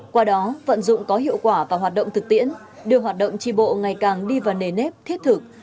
qua đó vận dụng có hiệu quả và hoạt động thực tiễn đưa hoạt động tri bộ ngày càng đi vào nề nếp thiết thực